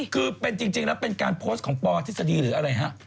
คือเป็นจริงแล้วเป็นการโพสต์ของปอทฤษฎีหรืออะไรฮะ